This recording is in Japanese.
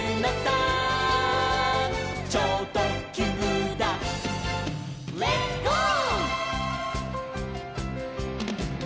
「ちょうとっきゅうだレッツ・ゴー！」